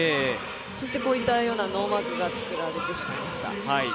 そしてこういったようなノーマークが作られてしまいました。